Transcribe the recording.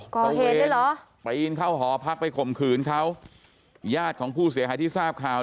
ก่อเหตุด้วยเหรอปีนเข้าหอพักไปข่มขืนเขาญาติของผู้เสียหายที่ทราบข่าว